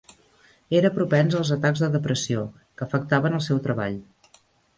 Era propens als atacs de depressió, que afectaven el seu treball.